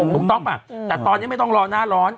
ถูกต้องป่ะแต่ตอนนี้ไม่ต้องรอหน้าร้อน